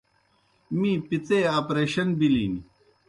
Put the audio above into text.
می پِتے آپریشن بِلِن۔